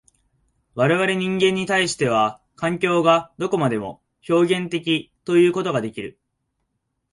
我々人間に対しては、環境がどこまでも表現的ということができる。